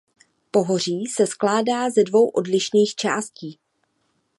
Pohoří se skládá ze dvou odlišných částí.